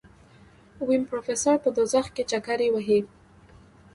ويم پروفيسر په دوزخ کې چکرې وهي.